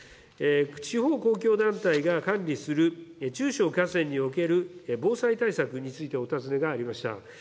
地方公共団体が管理する中小河川における防災対策についてお尋ねがありました。